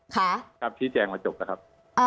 ครับชี้แจงมาจบแล้วครับ